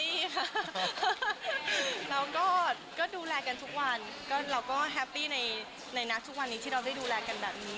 เราก็ดูแลกันทุกวันเราก็แฮปปี้ในทุกวันนี้ที่เราได้ดูแลกันแบบนี้